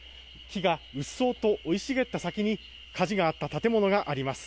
木がうっそうと生い茂った先に火事があった建物があります。